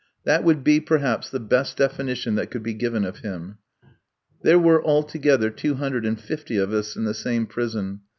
That would be, perhaps, the best definition that could be given of him. There were altogether two hundred and fifty of us in the same prison.